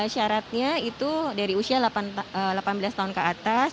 syaratnya itu dari usia delapan belas tahun ke atas